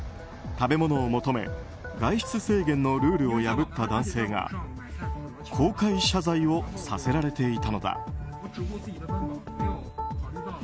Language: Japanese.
食べ物を求め外出制限のルールを破った男性が公開謝罪をさせられていたのだ。